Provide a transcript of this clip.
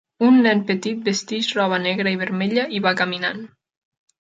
Un nen petit vesteix roba negra i vermella i va caminant